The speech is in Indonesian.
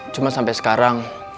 cuman sampai sekarang